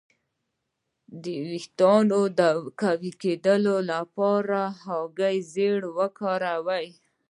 د ویښتو د قوي کیدو لپاره د هګۍ ژیړ وکاروئ